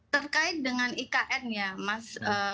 terkait dengan ikn ya mas